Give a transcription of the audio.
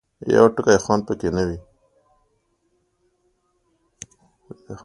یو ټکی خوند پکې نه وي.